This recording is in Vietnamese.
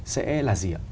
sẽ là gì ạ